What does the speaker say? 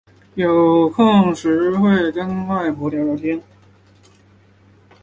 有空时会去跟外婆聊聊天